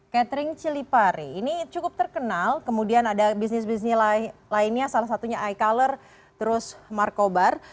catering cilipare ini cukup terkenal kemudian ada bisnis bisnis lainnya salah satunya icolor terus markobar